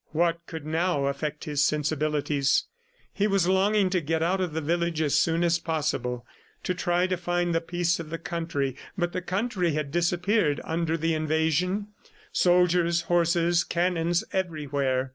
What could now affect his sensibilities? ... He was longing to get out of the village as soon as possible to try to find the peace of the country. But the country had disappeared under the invasion soldier's, horses, cannons everywhere.